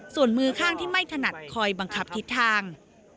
ส่วนมือข้างที่ไม่ถนัดคอยบังคับทิศทาง